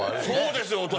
そうですよ！